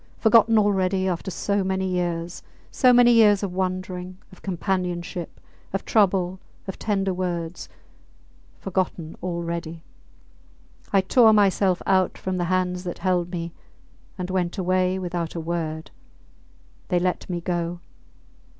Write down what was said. Forgotten already after so many years so many years of wandering, of companionship, of trouble, of tender words! Forgotten already! ... I tore myself out from the hands that held me and went away without a word ... They let me go.